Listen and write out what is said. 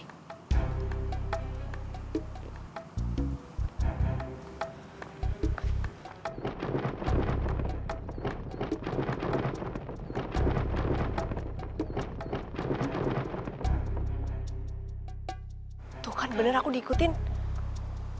aku harus cepat pergi dari sini